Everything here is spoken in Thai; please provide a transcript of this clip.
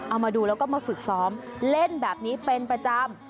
เอามาดูแล้วก็มาฝึกซ้อมเล่นแบบนี้เป็นประจำ